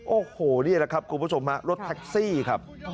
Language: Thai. โอ้โหนี่แหละครับคุณผู้ชมฮะรถแท็กซี่ครับ